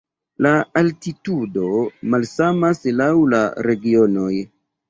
La altitudo malsamas laŭ la regionoj.